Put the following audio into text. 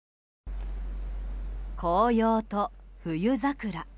紅葉と冬桜。